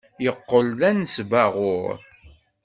Yeqqel d anesbaɣur.